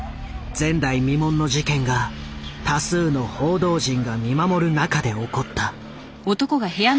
前代未聞の事件が多数の報道陣が見守る中で起こった。